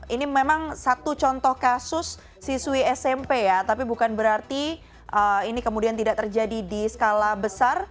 ini memang satu contoh kasus siswi smp ya tapi bukan berarti ini kemudian tidak terjadi di skala besar